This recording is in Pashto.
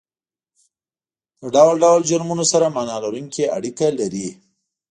د ډول ډول جرمونو سره معنا لرونکې اړیکه لري